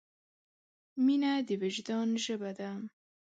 مینه د وجدان ژبه ده.